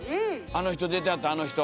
「あの人出てはったあの人」